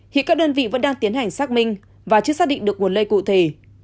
hiện các đơn vị vẫn đang tiến hành xác minh và chưa xác định được nguồn lây cụ thể